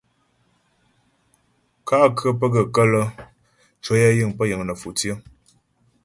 Kà' khə̌ pə́ gaə́ kələ ncwəyɛ yiŋ pə́ yiŋ nə̌fò tsyə.